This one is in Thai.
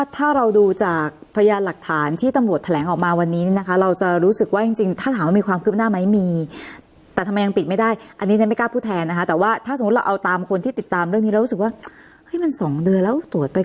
ตรีกไม่ได้อันนี้ไม่กล้าพูดแทนนะฮะแต่ว่าถ้าสมมุติเราเอาตามคนที่ติดตามเรื่องนี้แล้วรู้สึกว่าสองเดือนแล้วตรวจไป